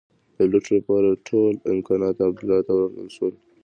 د لوټ لپاره ټول امکانات عبدالله ته ورکړل شي.